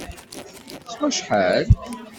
S wacḥal?